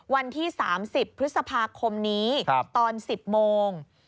วันที่๓๐พฤษภาคมนี้ตอน๑๐โมง